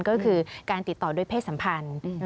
ก็คือการติดต่อด้วยเพศสัมพันธ์